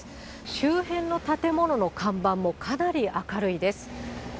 周辺の建物の看板もかなり明るいです。